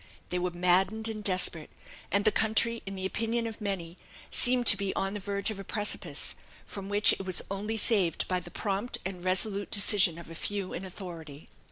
They were maddened and desperate; and the country, in the opinion of many, seemed to be on the verge of a precipice, from which it was only saved by the prompt and resolute decision of a few in authority.